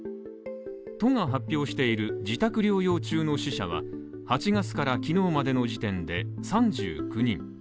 都が発表している、自宅療養中の死者は８月から昨日までの時点で３９人。